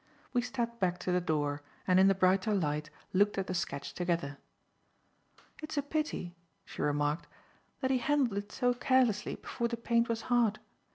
We stepped back to the door, and in the brighter light, looked at the sketch together. "It's a pity," she remarked, "that he handled it so carelessly before the paint was hard.